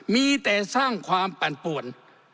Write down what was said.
มีแต่สร้างความปั่นป่วน